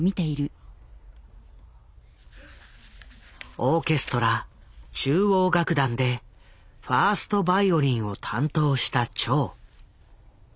オーケストラ中央楽団でファーストバイオリンを担当した趙。